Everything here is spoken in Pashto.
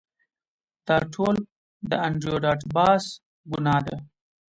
دا ټول د انډریو ډاټ باس ګناه ده